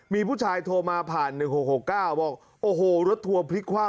มีผู้ชายโทรมาผ่านหนึ่งหกหกเก้าบอกโอ้โหรถทัวรพลิกคว่ำ